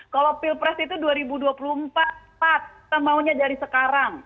kalau pilpres itu dua ribu dua puluh empat kita maunya dari sekarang